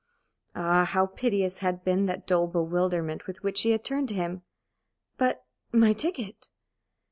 Ah, how piteous had been that dull bewilderment with which she had turned to him! "But my ticket?"